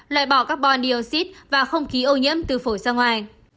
loại bỏ carbon dioxide và không khí ô nhiễm từ phổi ra ngoài